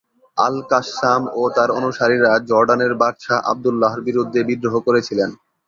আল Qassam ও তার অনুসারীরা জর্ডানের বাদশাহ আবদুল্লাহর বিরুদ্ধে বিদ্রোহ করেছিলেন।